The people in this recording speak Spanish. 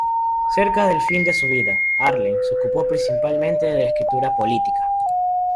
Cerca del fin de su vida, Arlen se ocupó principalmente de la escritura política.